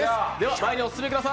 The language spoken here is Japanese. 前にお進みください。